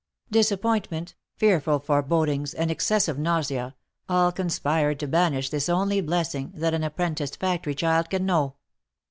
Disappointment, fearful forebodings, and excessive nausea, all conspired to banish this only blessing that an apprenticed factory child can know.